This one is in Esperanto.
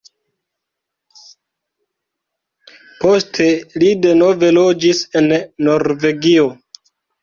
Poste li denove loĝis en Norvegio.